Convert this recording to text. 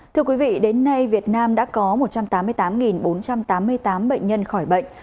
thưa quý vị đến nay việt nam đã có một trăm tám mươi tám bốn trăm tám mươi tám bệnh nhân khỏi bệnh